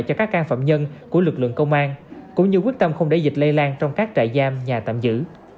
cho các can phạm nhân của lực lượng công an cũng như quyết tâm không để dịch lây lan trong các trại giam nhà tạm giữ